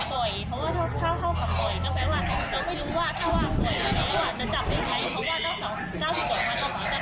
หรือว่าจะจับได้ไงเพราะว่าเมื่อสัก๙สิบเดียวกันเราขอจับ